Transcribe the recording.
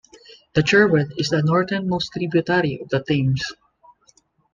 The Cherwell is the northernmost tributary of the Thames.